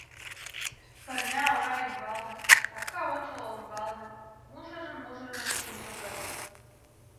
Пырня ора ӱмбалне, капка ончыл олымбалне, мужырын-мужырын шинчылтыт.